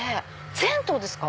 銭湯ですか？